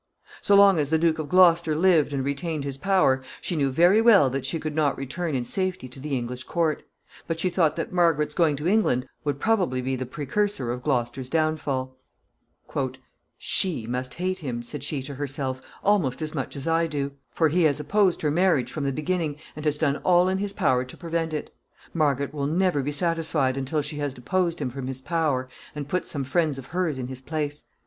So long as the Duke of Gloucester lived and retained his power, she knew very well that she could not return in safety to the English court; but she thought that Margaret's going to England would probably be the precursor of Gloucester's downfall. [Sidenote: Political intrigues.] "She must hate him," said she to herself, "almost as much as I do, for he has opposed her marriage from the beginning, and has done all in his power to prevent it. Margaret will never be satisfied until she has deposed him from his power and put some friend of hers in his place.